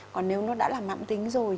còn nếu nó đã là mạng tính rồi